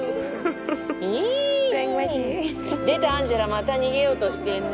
出た、アンジェラまた逃げようとしてるな。